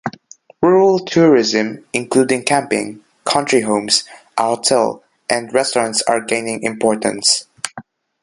Rural tourism, including camping, country homes, a hotel, and restaurants are gaining importance.